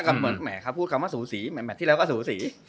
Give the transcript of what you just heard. แมทเขาพูดคำว่าสูสีเมทที่แล้วก็สูสี